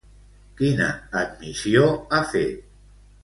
Quina admissió ha fet?